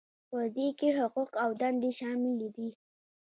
په دې کې حقوق او دندې شاملې دي.